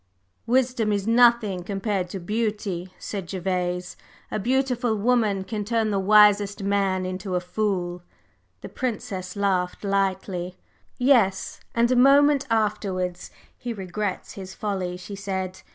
"Wisdom is nothing compared to beauty," said Gervase. "A beautiful woman can turn the wisest man into a fool." The Princess laughed lightly. "Yes, and a moment afterwards he regrets his folly," she said.